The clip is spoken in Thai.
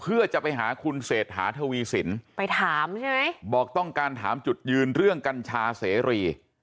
เพื่อจะไปหาคุณเศรษฐาทวีศิลป์บอกต้องการถามจุดยืนเรื่องกัญชาเสียรี